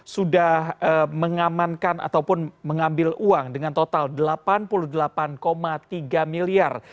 sudah mengamankan ataupun mengambil uang dengan total delapan puluh delapan tiga miliar